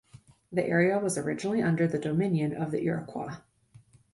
The area was originally under the dominion of the Iroquois.